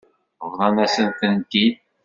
Bḍan-asen-tent-id.